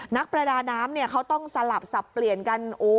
นักประดาน้ำเขาต้องสลับสับเปลี่ยนกัน